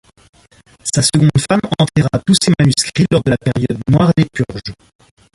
Sa seconde femme enterra tous ses manuscrits lors de la période noire des purges.